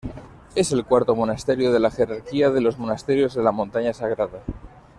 Es el cuarto monasterio de la jerarquía de los monasterios de la Montaña Sagrada.